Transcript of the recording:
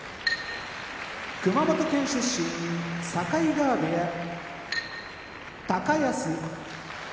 熊本県出身境川部屋高安